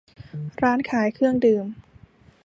ร้านขายเครื่องดื่ม